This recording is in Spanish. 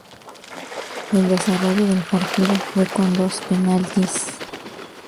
El desarrollo del partido, fue con dos penaltis.